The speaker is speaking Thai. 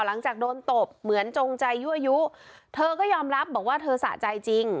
หลังจากโดนตบเหมือนจงใจยั่วยุเธอก็ยอมรับบอกว่าเธอสะใจจริง